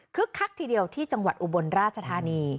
คักทีเดียวที่จังหวัดอุบลราชธานี